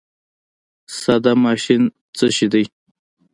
ساده ماشین څه شی دی؟